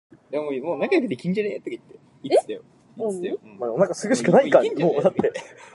He chooses the paper to malign people with whom he has philosophical differences.